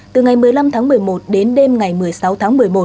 từ ngày một mươi năm tháng một mươi một đến đêm ngày một mươi sáu tháng một mươi một